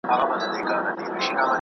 تمثیلي اشعار د ذهن ارتقا ښیي.